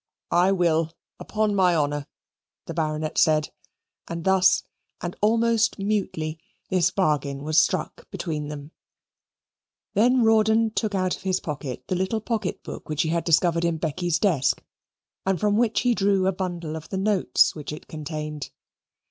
"I will, upon my honour," the Baronet said. And thus, and almost mutely, this bargain was struck between them. Then Rawdon took out of his pocket the little pocket book which he had discovered in Becky's desk, and from which he drew a bundle of the notes which it contained.